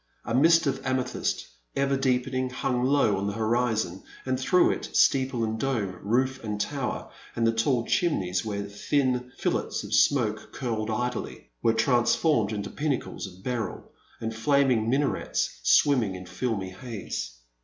A mist of amethyst, ever deepening, hung low on the horizon, and through it, steeple and dome, roof and tower, and the tall chimneys where thin fillets of smoke curled idly, were transformed into pinnacles of beryl and flaming minarets, swimming in filmy haze.